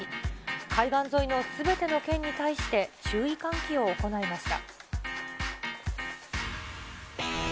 海岸沿いのすべての県に対して注意喚起を行いました。